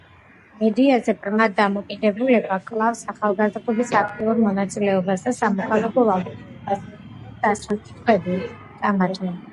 მედიაზე ბრმად დამოკიდებულება კლავს ახალგაზრდების აქტიურ მონაწილეობას და სამოქალაქო ვალდებულებას, რომ დასვან კითხვები, იკამათონ.